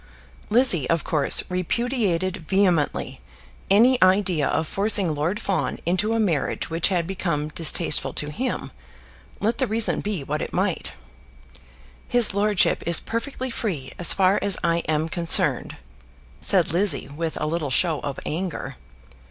Lizzie, of course, repudiated vehemently any idea of forcing Lord Fawn into a marriage which had become distasteful to him, let the reason be what it might. "His lordship is perfectly free, as far as I am concerned," said Lizzie with a little show of anger.